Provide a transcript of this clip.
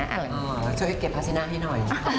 ก็ช่วยเก็บพาชิณาท์ให้หน่อย